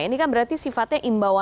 ini kan berarti sifatnya imbauan